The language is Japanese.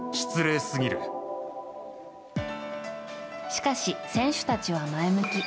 しかし選手たちは前向き。